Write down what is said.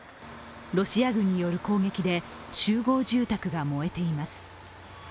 ロシア軍による攻撃で集合住宅が燃えています。